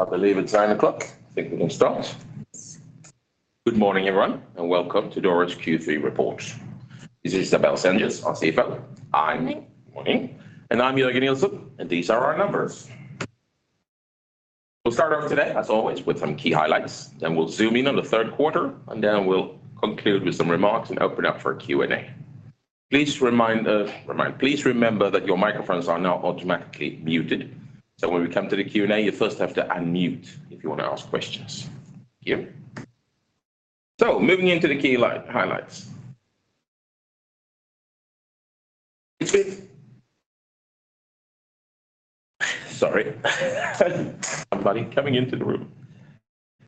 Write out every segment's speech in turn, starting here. I believe it's 9:00 A.M. I think we can start. Good morning, everyone, and welcome to Doro's Q3 report. This is Isabelle Sengès, our CFO. I'm- Morning. Morning. I'm Jörgen Nilsson, and these are our numbers. We'll start off today, as always, with some key highlights. Then we'll zoom in on the Q3, and then we'll conclude with some remarks and open up for a Q&A. Please remember that your microphones are now automatically muted, so when we come to the Q&A, you first have to unmute if you want to ask questions. Thank you. Moving into the key highlights. It's been... Sorry. Somebody coming into the room.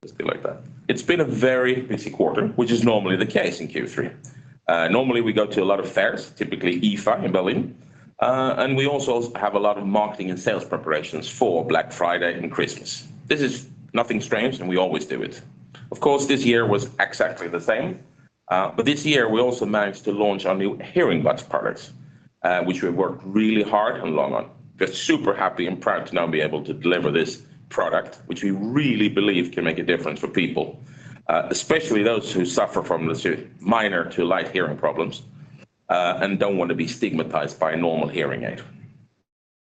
Must be like that. It's been a very busy quarter, which is normally the case in Q3. Normally, we go to a lot of fairs, typically IFA in Berlin, and we also have a lot of marketing and sales preparations for Black Friday and Christmas. This is nothing strange, and we always do it. Of course, this year was exactly the same, but this year, we also managed to launch our new HearingBuds products, which we worked really hard and long on. We're super happy and proud to now be able to deliver this product, which we really believe can make a difference for people, especially those who suffer from minor to light hearing problems, and don't want to be stigmatized by a normal hearing aid.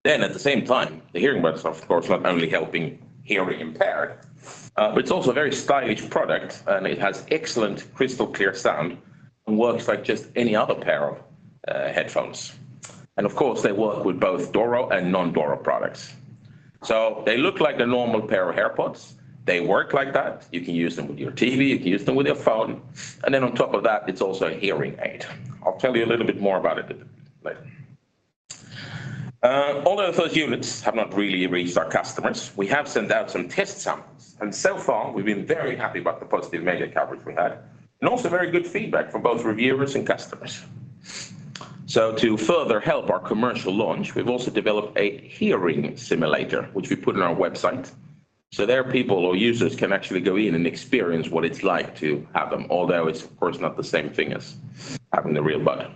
Then at the same time, the HearingBuds are, of course, not only helping hearing impaired, but it's also a very stylish product, and it has excellent, crystal clear sound and works like just any other pair of headphones. And of course, they work with both Doro and non-Doro products. So they look like a normal pair of AirPods. They work like that. You can use them with your TV, you can use them with your phone, and then on top of that, it's also a hearing aid. I'll tell you a little bit more about it a bit later. Although the first units have not really reached our customers, we have sent out some test samples, and so far, we've been very happy about the positive media coverage we had, and also very good feedback from both reviewers and customers. So to further help our commercial launch, we've also developed a hearing simulator, which we put on our website, so there people or users can actually go in and experience what it's like to have them, although it's, of course, not the same thing as having the real bud.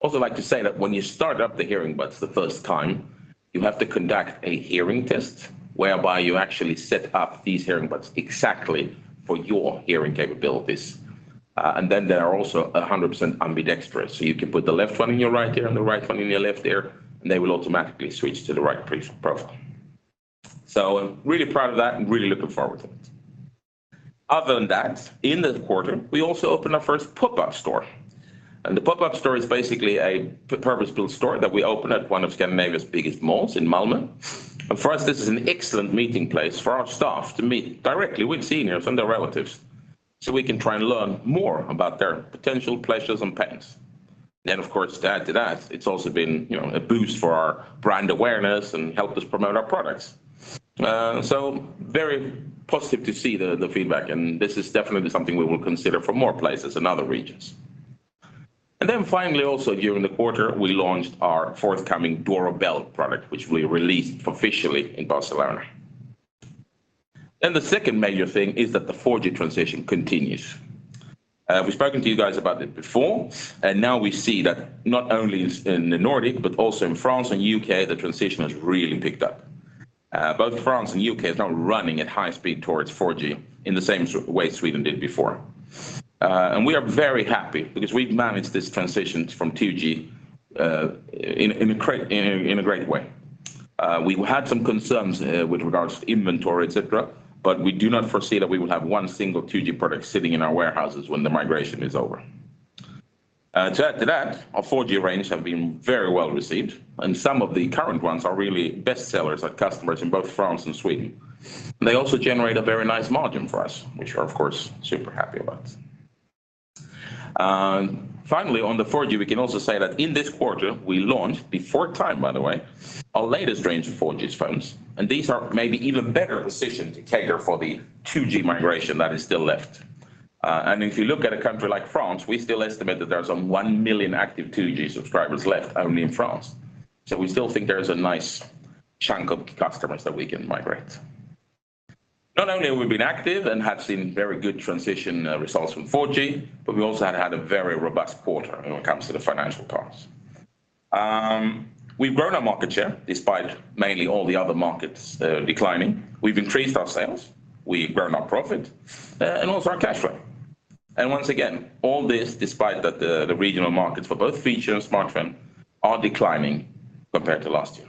Also like to say that when you start up the HearingBuds the first time, you have to conduct a hearing test, whereby you actually set up these HearingBuds exactly for your hearing capabilities. And then they are also 100% ambidextrous, so you can put the left one in your right ear and the right one in your left ear, and they will automatically switch to the right preset profile. So I'm really proud of that and really looking forward to it. Other than that, in this quarter, we also opened our first pop-up store, and the pop-up store is basically a purpose-built store that we opened at one of Scandinavia's biggest malls in Malmö. For us, this is an excellent meeting place for our staff to meet directly with seniors and their relatives, so we can try and learn more about their potential pleasures and pains. Then, of course, to add to that, it's also been, you know, a boost for our brand awareness and helped us promote our products. So very positive to see the feedback, and this is definitely something we will consider for more places in other regions. Then finally, also during the quarter, we launched our forthcoming Doro Bell product, which we released officially in Barcelona. Then the second major thing is that the 4G transition continues. We've spoken to you guys about it before, and now we see that not only is in the Nordic, but also in France and U.K., the transition has really picked up. Both France and U.K. is now running at high speed towards 4G in the same sort of way Sweden did before. And we are very happy because we've managed this transition from 2G in a great way. We had some concerns with regards to inventory, et cetera, but we do not foresee that we will have one single 2G product sitting in our warehouses when the migration is over. To add to that, our 4G range have been very well-received, and some of the current ones are really best sellers at customers in both France and Sweden. They also generate a very nice margin for us, which we're of course super happy about. And finally, on the 4G, we can also say that in this quarter, we launched, before time, by the way, our latest range of 4G phones, and these are maybe even better positioned to cater for the 2G migration that is still left. And if you look at a country like France, we still estimate that there are some 1 million active 2G subscribers left only in France. So we still think there is a nice chunk of customers that we can migrate. Not only have we been active and have seen very good transition results from 4G, but we also have had a very robust quarter when it comes to the financial parts. We've grown our market share, despite mainly all the other markets declining. We've increased our sales, we've grown our profit, and also our cash flow. Once again, all this despite that the regional markets for both feature and smartphone are declining compared to last year.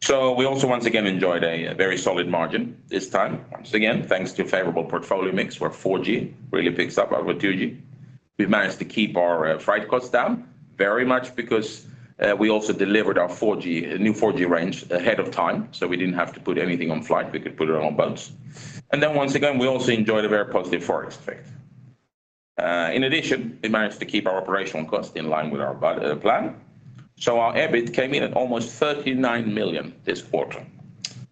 So we also once again enjoyed a very solid margin this time. Once again, thanks to favorable portfolio mix, where 4G really picks up over 2G. We've managed to keep our freight costs down very much because we also delivered our 4G, new 4G range ahead of time, so we didn't have to put anything on flight. We could put it on boats. And then once again, we also enjoyed a very positive forex effect. In addition, we managed to keep our operational costs in line with our budget plan, so our EBIT came in at almost 39 million this quarter.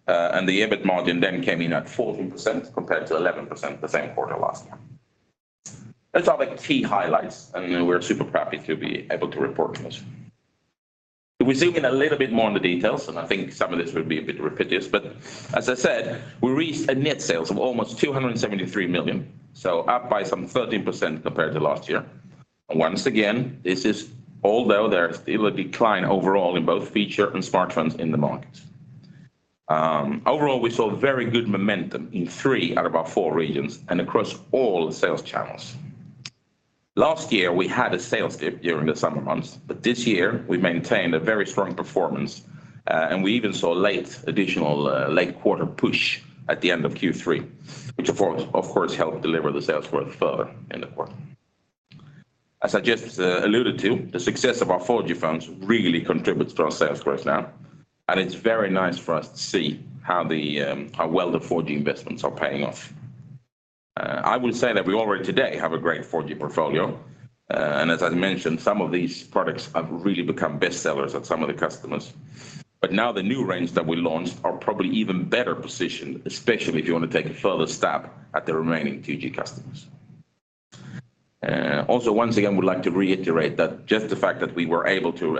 And the EBIT margin then came in at 14%, compared to 11% the same quarter last year. Those are the key highlights, and we're super happy to be able to report this. If we zoom in a little bit more on the details, and I think some of this will be a bit repetitive, but as I said, we reached net sales of almost 273 million, so up by some 13% compared to last year. Once again, this is although there is still a decline overall in both feature and smartphones in the market. Overall, we saw very good momentum in three out of our four regions and across all sales channels. Last year, we had a sales dip during the summer months, but this year we maintained a very strong performance, and we even saw a late additional, late quarter push at the end of Q3, which of course, of course, helped deliver the sales growth further in the quarter. As I just alluded to, the success of our 4G phones really contributes to our sales growth now, and it's very nice for us to see how the, how well the 4G investments are paying off. I will say that we already today have a great 4G portfolio, and as I mentioned, some of these products have really become best sellers at some of the customers. But now the new range that we launched are probably even better positioned, especially if you want to take a further stab at the remaining 2G customers. Also, once again, we'd like to reiterate that just the fact that we were able to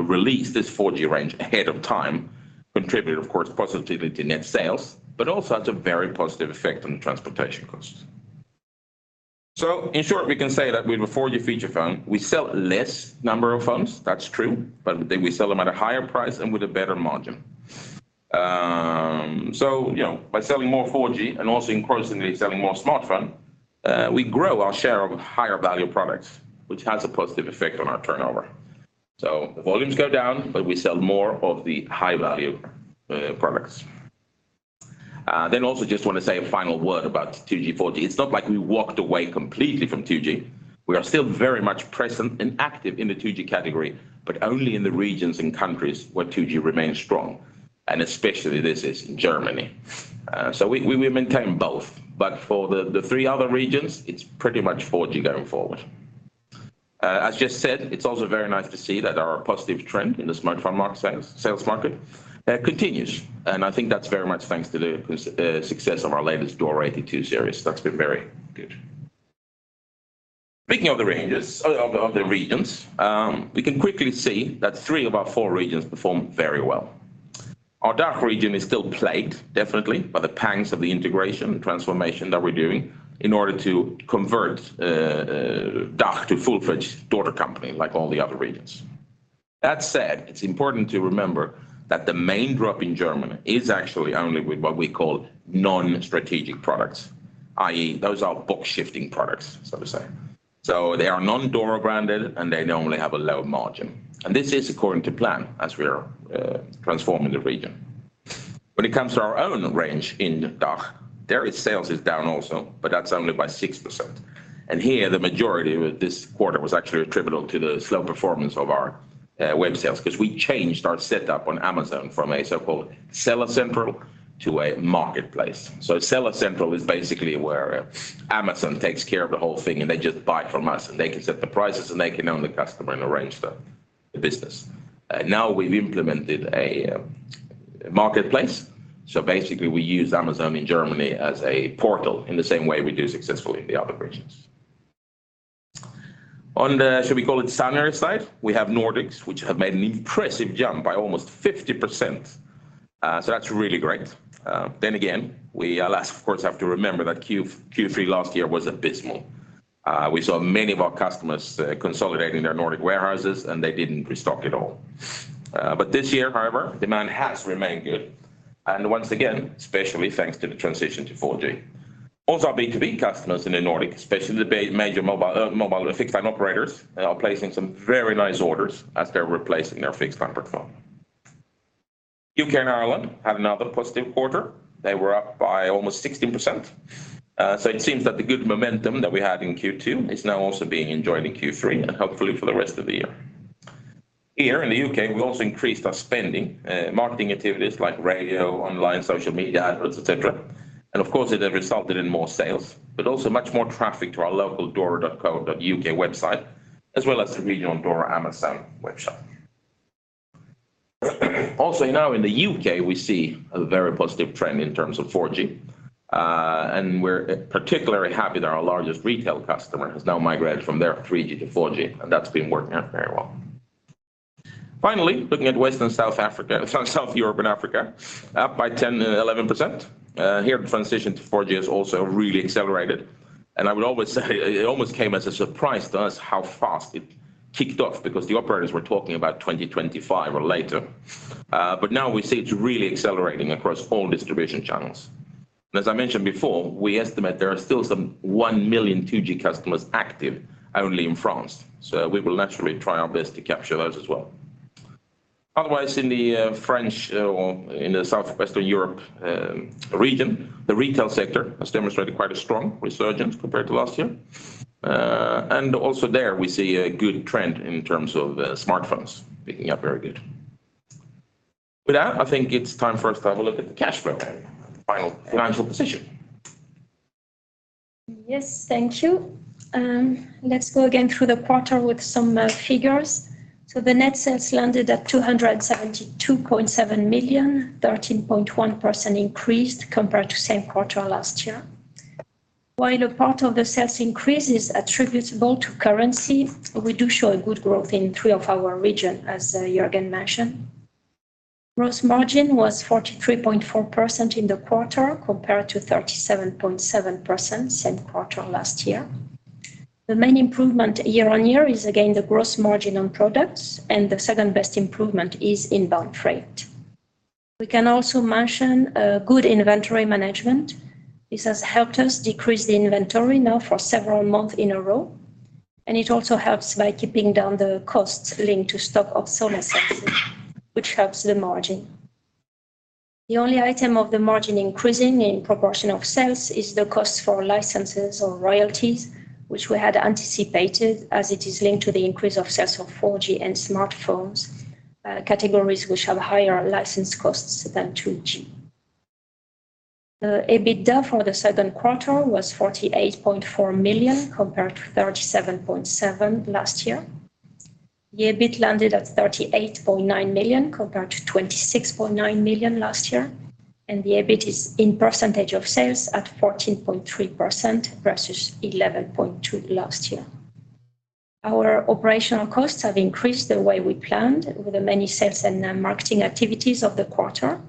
release this 4G range ahead of time contributed, of course, positively to net sales, but also had a very positive effect on the transportation costs. So in short, we can say that with the 4G feature phone, we sell less number of phones. That's true, but then we sell them at a higher price and with a better margin. So, you know, by selling more 4G and also increasingly selling more smartphone, we grow our share of higher value products, which has a positive effect on our turnover. So the volumes go down, but we sell more of the high-value products. Then also just want to say a final word about 2G/4G. It's not like we walked away completely from 2G. We are still very much present and active in the 2G category, but only in the regions and countries where 2G remains strong, and especially this is in Germany. So we maintain both. But for the three other regions, it's pretty much 4G going forward. As just said, it's also very nice to see that our positive trend in the smartphone market sales market continues, and I think that's very much thanks to the success of our latest Doro 82 series. That's been very good. Speaking of the ranges of the regions, we can quickly see that three of our four regions performed very well. Our DACH region is still plagued definitely by the pangs of the integration transformation that we're doing in order to convert DACH to full-fledged Doro company, like all the other regions. That said, it's important to remember that the main drop in Germany is actually only with what we call non-strategic products, i.e., those are bulk shifting products, so to say. So they are non-Doro branded, and they normally have a low margin, and this is according to plan as we are transforming the region. When it comes to our own range in DACH, there sales is down also, but that's only by 6%. And here, the majority of this quarter was actually attributable to the slow performance of our web sales, 'cause we changed our setup on Amazon from a so-called Seller Central to a Marketplace. So Seller Central is basically where Amazon takes care of the whole thing, and they just buy from us, and they can set the prices, and they can own the customer and arrange the business. Now we've implemented a marketplace, so basically we use Amazon in Germany as a portal in the same way we do successfully in the other regions. On the, should we call it sunnier side? We have Nordics, which have made an impressive jump by almost 50%. So that's really great. Then again, we, of course, have to remember that Q3 last year was abysmal. We saw many of our customers consolidating their Nordic warehouses, and they didn't restock at all. But this year, however, demand has remained good, and once again, especially thanks to the transition to 4G. Also, our B2B customers in the Nordics, especially the major mobile fixed line operators, are placing some very nice orders as they're replacing their fixed line portfolio. UK and Ireland had another positive quarter. They were up by almost 16%. So it seems that the good momentum that we had in Q2 is now also being enjoyed in Q3 and hopefully for the rest of the year. Here in the U.K., we've also increased our spending, marketing activities like radio, online, social media adverts, et cetera. And of course, it has resulted in more sales, but also much more traffic to our local doro.co.uk website, as well as the regional Doro Amazon webshop. Also now in the U.K., we see a very positive trend in terms of 4G. And we're particularly happy that our largest retail customer has now migrated from their 3G to 4G, and that's been working out very well. Finally, looking at Western and Southern Europe and Africa, up by 10% and 11%. Here, the transition to 4G has also really accelerated, and I would almost say, it almost came as a surprise to us how fast it kicked off because the operators were talking about 2025 or later. But now we see it's really accelerating across all distribution channels. And as I mentioned before, we estimate there are still some 1 million 2G customers active only in France, so we will naturally try our best to capture those as well. Otherwise, in the French or in the southwestern Europe region, the retail sector has demonstrated quite a strong resurgence compared to last year. And also there, we see a good trend in terms of smartphones picking up very good. With that, I think it's time for us to have a look at the cash flow and final financial position. Yes, thank you. Let's go again through the quarter with some figures. So the net sales landed at 272.7 million, 13.1% increase compared to same quarter last year. While a part of the sales increase is attributable to currency, we do show a good growth in three of our regions, as Jörgen mentioned. Gross margin was 43.4% in the quarter, compared to 37.7% same quarter last year. The main improvement year-on-year is again, the gross margin on products, and the second best improvement is inbound freight. We can also mention good inventory management. This has helped us decrease the inventory now for several months in a row, and it also helps by keeping down the costs linked to stock of sslow sellers, which helps the margin. The only item of the margin increasing in proportion of sales is the cost for licenses or royalties, which we had anticipated as it is linked to the increase of sales of 4G and smartphones, categories which have higher license costs than 2G. The EBITDA for the Q2 was 48.4 million, compared to 37.7 million last year. The EBIT landed at 38.9 million, compared to 26.9 million last year, and the EBIT is in percentage of sales at 14.3% versus 11.2% last year. Our operational costs have increased the way we planned with the many sales and marketing activities of the quarter.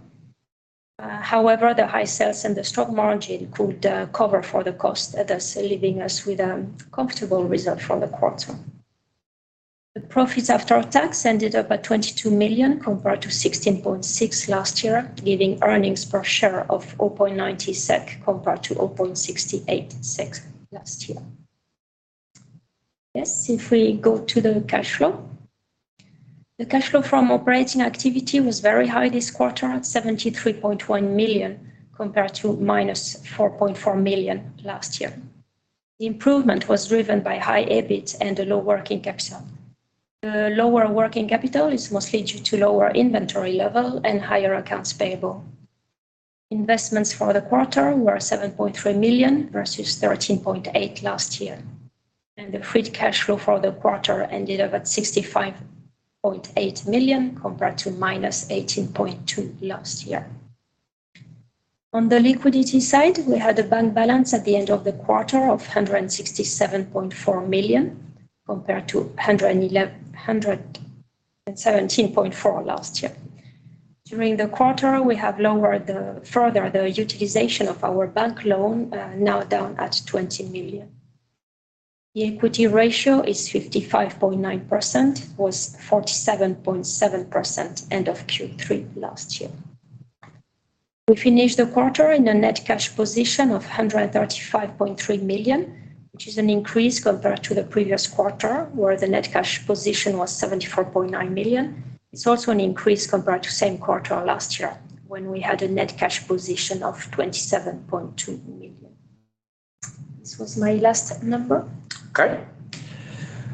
However, the high sales and the strong margin could cover for the cost, thus leaving us with a comfortable result for the quarter. The profits after tax ended up at 22 million, compared to 16.6 million last year, leaving earnings per share of 4.90 SEK, compared to 0.68 SEK last year. Yes, if we go to the cash flow. The cash flow from operating activity was very high this quarter, 73.1 million, compared to -4.4 million last year. The improvement was driven by high EBIT and a low working capital. The lower working capital is mostly due to lower inventory level and higher accounts payable. Investments for the quarter were 7.3 million versus 13.8 million last year, and the free cash flow for the quarter ended up at 65.8 million, compared to -18.2 million last year. On the liquidity side, we had a bank balance at the end of the quarter of 167.4 million, compared to 117.4 million last year. During the quarter, we have lowered the further the utilization of our bank loan, now down at 20 million. The equity ratio is 55.9%, was 47.7% end of Q3 last year. We finished the quarter in a net cash position of 135.3 million, which is an increase compared to the previous quarter, where the net cash position was 74.9 million. It's also an increase compared to same quarter last year, when we had a net cash position of 27.2 million. This was my last number. Okay.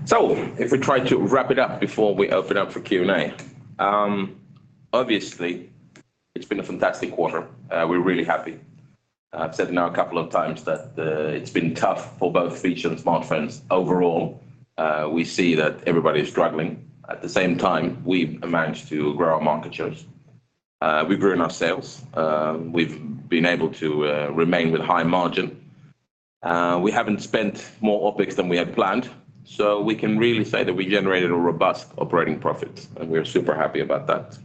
So if we try to wrap it up before we open up for Q&A. Obviously, it's been a fantastic quarter. We're really happy. I've said now a couple of times that it's been tough for both feature and smartphones. Overall, we see that everybody is struggling. At the same time, we've managed to grow our market shares. We've grown our sales. We've been able to remain with high margin. We haven't spent more OpEx than we had planned, so we can really say that we generated a robust operating profit, and we are super happy about that.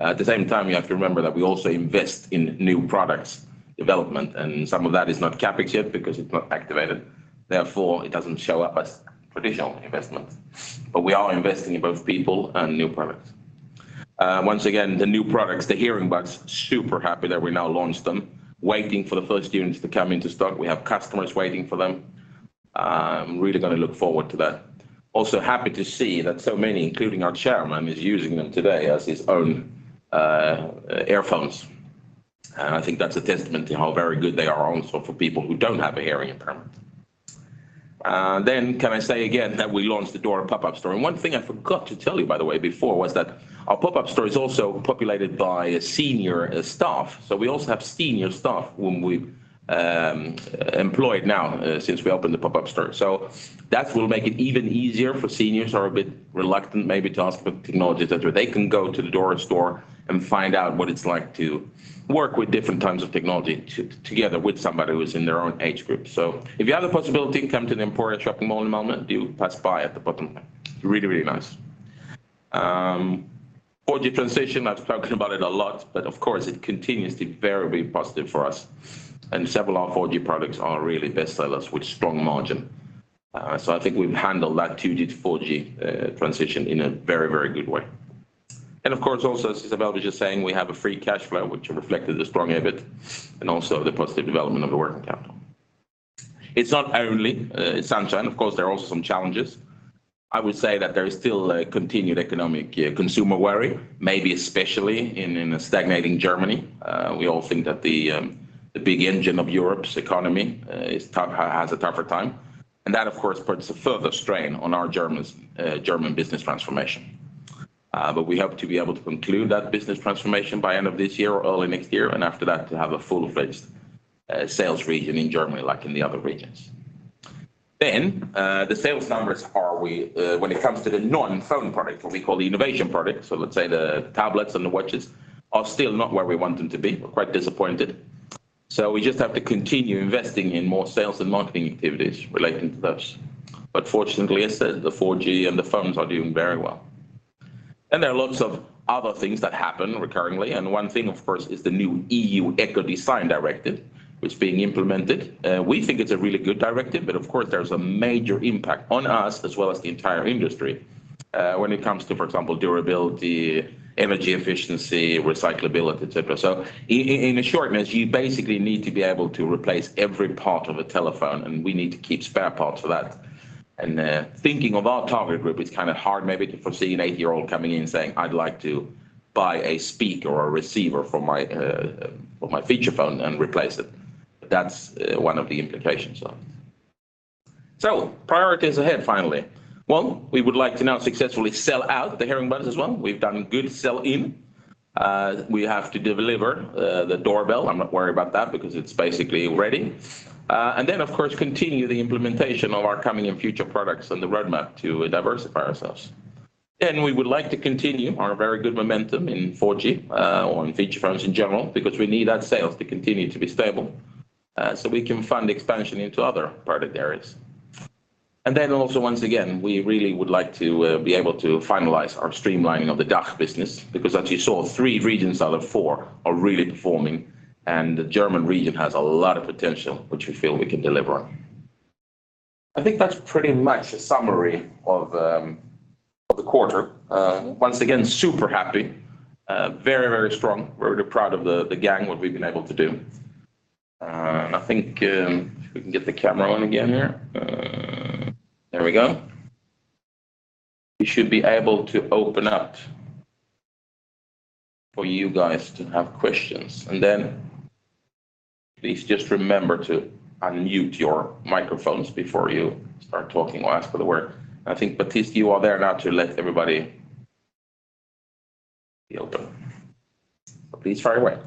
At the same time, you have to remember that we also invest in new products development, and some of that is not CapEx yet because it's not activated, therefore, it doesn't show up as traditional investments. But we are investing in both people and new products. Once again, the new products, the HearingBuds, super happy that we now launched them. Waiting for the first units to come into stock. We have customers waiting for them. I'm really gonna look forward to that. Also happy to see that so many, including our chairman, is using them today as his own earphones. And I think that's a testament to how very good they are also for people who don't have a hearing impairment. Then can I say again that we launched the Doro pop-up store? And one thing I forgot to tell you, by the way, before, was that our pop-up store is also populated by senior staff. So we also have senior staff whom we've employed now since we opened the pop-up store. So that will make it even easier for seniors who are a bit reluctant maybe to ask for technology center. They can go to the Doro Store and find out what it's like to work with different types of technology together with somebody who is in their own age group. So if you have the possibility to come to the Emporia Shopping Mall in a moment, do pass by at the bottom there. Really, really nice. 4G transition, I've talked about it a lot, but of course, it continues to be very positive for us, and several of our 4G products are really best sellers with strong margin. So I think we've handled that 2G to 4G transition in a very, very good way. And of course, also, Isabelle was just saying we have a free cash flow, which reflected the strong EBIT and also the positive development of the working capital. It's not only sunshine, of course, there are also some challenges. I would say that there is still a continued economic consumer worry, maybe especially in a stagnating Germany. We all think that the big engine of Europe's economy is has a tougher time, and that, of course, puts a further strain on our German business transformation. But we hope to be able to conclude that business transformation by end of this year or early next year, and after that, to have a full-fledged sales region in Germany, like in the other regions. Then, the sales numbers, when it comes to the non-phone product, what we call the innovation product, so let's say the tablets and the watches, are still not where we want them to be. We're quite disappointed. So we just have to continue investing in more sales and marketing activities relating to those. But fortunately, as I said, the 4G and the phones are doing very well. And there are lots of other things that happen recurringly, and one thing, of course, is the new EU Ecodesign Directive, which is being implemented. We think it's a really good directive, but of course, there's a major impact on us, as well as the entire industry, when it comes to, for example, durability, energy efficiency, recyclability, et cetera. In a shortness, you basically need to be able to replace every part of a telephone, and we need to keep spare parts for that. Thinking of our target group, it's kind of hard maybe to foresee an 80-year-old coming in and saying, "I'd like to buy a speaker or a receiver for my feature phone and replace it." But that's one of the implications, so. Priorities ahead, finally. One, we would like to now successfully sell out the HearingBuds as well. We've done good sell in. We have to deliver the doorbell. I'm not worried about that because it's basically ready. And then, of course, continue the implementation of our coming and future products on the roadmap to diversify ourselves. We would like to continue our very good momentum in 4G on feature phones in general, because we need that sales to continue to be stable so we can fund expansion into other product areas. And then also, once again, we really would like to be able to finalize our streamlining of the DACH business, because as you saw, three regions out of four are really performing, and the German region has a lot of potential, which we feel we can deliver on. I think that's pretty much a summary of the quarter. Once again, super happy, very, very strong. We're proud of the gang, what we've been able to do. I think if we can get the camera on again here. There we go. We should be able to open up for you guys to have questions, and then please just remember to unmute your microphones before you start talking or ask for the word. I think, Baptiste, you are there now to let everybody be open. Please, fire away.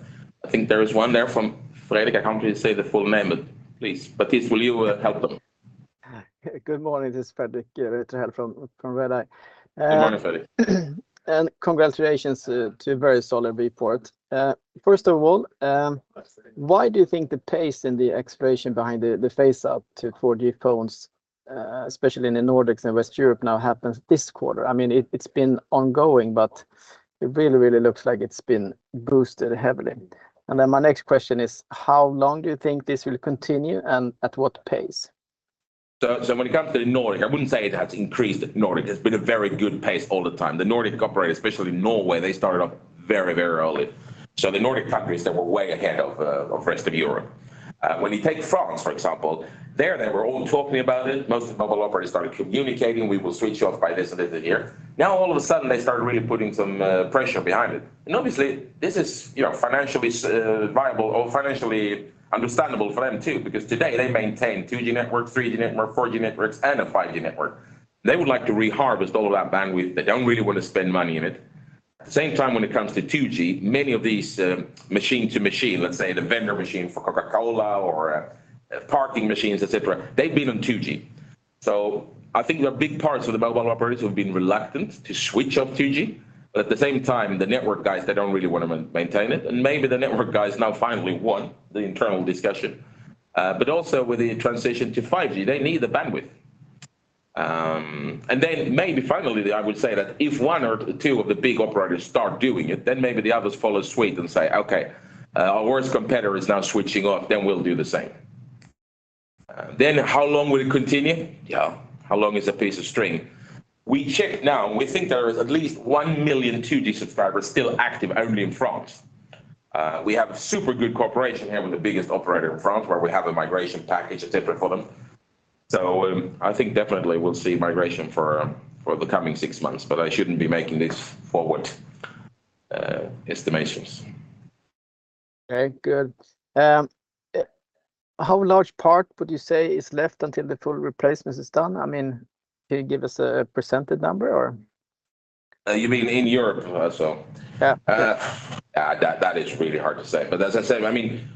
I think there is one there from Fredrik. I can't really say the full name, but please, Baptiste, will you help them? Good morning, this is Fredrik from Redeye. Good morning, Fredrik. Congratulations to a very solid report. First of all, Thanks. Why do you think the pace and the exploration behind the, the phase out to 4G phones, especially in the Nordics and West Europe, now happens this quarter? I mean, it, it's been ongoing, but it really, really looks like it's been boosted heavily. And then my next question is: How long do you think this will continue, and at what pace? So, so when it comes to the Nordic, I wouldn't say it has increased in Nordic. It's been a very good pace all the time. The Nordic operators, especially Norway, they started off very, very early. So the Nordic countries, they were way ahead of, of rest of Europe. When you take France, for example, there they were all talking about it. Most of the mobile operators started communicating, "We will switch off by this date of the year." Now, all of a sudden, they started really putting some, pressure behind it. And obviously, this is, you know, financially, viable or financially understandable for them too, because today they maintain two 2G network, 3G network, 4G networks, and a 5G network. They would like to reharvest all of that bandwidth. They don't really want to spend money in it. At the same time, when it comes to 2G, many of these, machine-to-machine, let's say the vending machine for Coca-Cola or, parking machines, et cetera, they've been on 2G. So I think there are big parts of the mobile operators who have been reluctant to switch off 2G, but at the same time, the network guys, they don't really want to maintain it. And maybe the network guys now finally won the internal discussion. But also with the transition to 5G, they need the bandwidth. And then maybe finally, I would say that if one or two of the big operators start doing it, then maybe the others follow suit and say, "Okay, our worst competitor is now switching off, then we'll do the same." Then how long will it continue? Yeah. How long is a piece of string? We check now, and we think there is at least 1 million 2G subscribers still active only in France. We have super good cooperation here with the biggest operator in France, where we have a migration package, et cetera, for them. So, I think definitely we'll see migration for the coming 6 months, but I shouldn't be making these forward estimations. Okay, good. How large part would you say is left until the full replacement is done? I mean, can you give us a percentage number or...? You mean in Europe, so? Yeah. That is really hard to say. But as I said, I mean,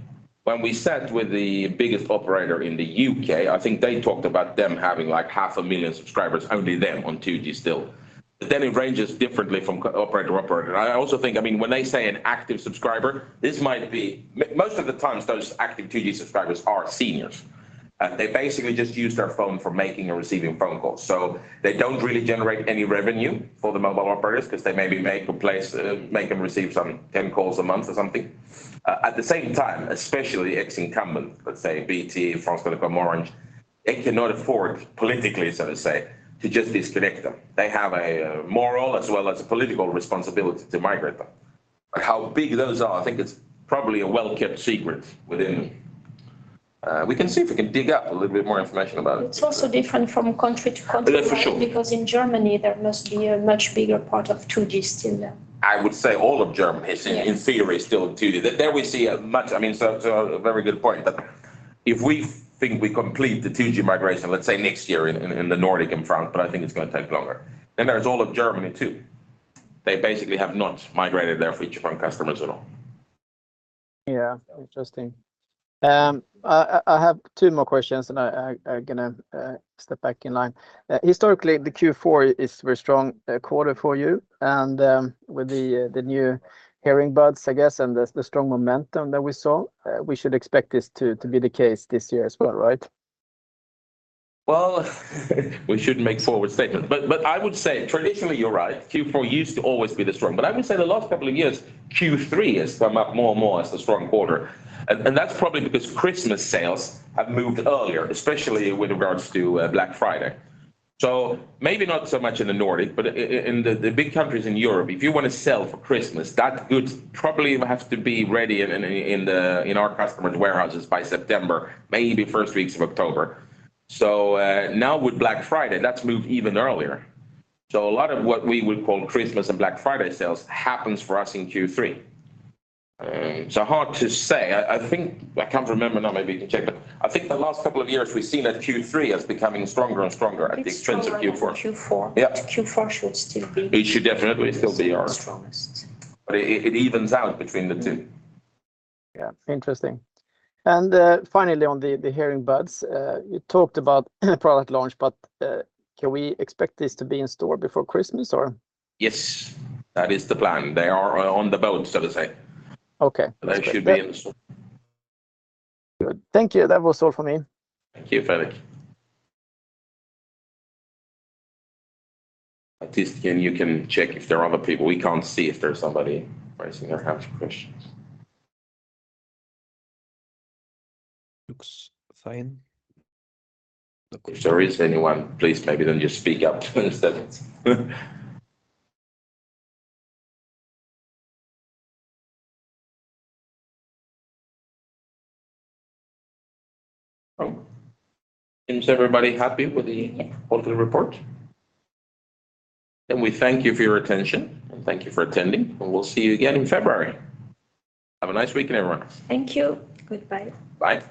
when we sat with the biggest operator in the UK, I think they talked about them having, like, 500,000 subscribers, only them on 2G still. But then it ranges differently from operator to operator. I also think, I mean, when they say an active subscriber, this might be most of the times, those active 2G subscribers are seniors. They basically just use their phone for making and receiving phone calls. So they don't really generate any revenue for the mobile operators, 'cause they maybe make perhaps 10 calls a month or something. At the same time, especially ex-incumbent, let's say BT, France Télécom, Orange, they cannot afford politically, so to say, to just disconnect them. They have a moral as well as a political responsibility to migrate them. But how big those are, I think it's probably a well-kept secret within... we can see if we can dig up a little bit more information about it. It's also different from country to country- For sure... because in Germany, there must be a much bigger part of 2G still there. I would say all of Germany— Yes... in theory, is still 2G. There, we see a much, I mean, so a very good point. But if we think we complete the 2G migration, let's say, next year in the Nordic and France, but I think it's going to take longer, then there's all of Germany, too. They basically have not migrated their feature phone customers at all. Yeah, interesting. I have two more questions, and I'm gonna step back in line. Historically, the Q4 is a very strong quarter for you, and with the new HearingBuds, I guess, and the strong momentum that we saw, we should expect this to be the case this year as well, right? ... Well, we shouldn't make forward statements. But I would say traditionally, you're right, Q4 used to always be the strong. But I would say the last couple of years, Q3 has come up more and more as the strong quarter, and that's probably because Christmas sales have moved earlier, especially with regards to Black Friday. So maybe not so much in the Nordic, but in the big countries in Europe, if you wanna sell for Christmas, that goods probably have to be ready in our customers' warehouses by September, maybe first weeks of October. So now with Black Friday, that's moved even earlier. So a lot of what we would call Christmas and Black Friday sales happens for us in Q3. So hard to say. I think I can't remember now, maybe you can check, but I think the last couple of years we've seen that Q3 is becoming stronger and stronger at the expense of Q4. It's stronger than Q4. Yeah. Q4 should still be- It should definitely still be our- Strongest. But it evens out between the two. Mm-hmm. Yeah. Interesting. And, finally, on the HearingBuds, you talked about product launch, but, can we expect this to be in store before Christmas, or? Yes, that is the plan. They are on the boat, so to speak. Okay. They should be in store. Good. Thank you. That was all for me. Thank you, Fredrik. At least, again, you can check if there are other people. We can't see if there's somebody raising their hand for questions. Looks fine. If there is anyone, please maybe then just speak up instead. Oh, seems everybody happy with the quarterly report? Then we thank you for your attention, and thank you for attending, and we'll see you again in February. Have a nice weekend, everyone. Thank you. Goodbye. Bye.